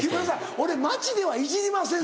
俺街ではいじりません